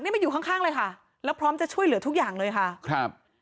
นี่มาอยู่ข้างข้างเลยค่ะแล้วพร้อมจะช่วยเหลือทุกอย่างเลยค่ะครับ